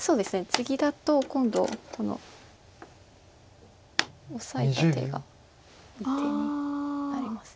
ツギだと今度このオサえた手がいい手になります。